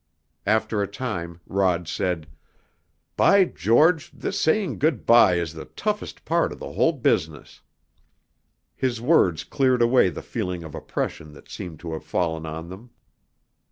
After a time Rod said, "By George, this saying good by is the toughest part of the whole business!" His words cleared away the feeling of oppression that seemed to have fallen on them.